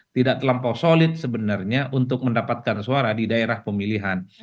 tidak terlampau solid sebenarnya untuk mendapatkan suara di daerah pemilihan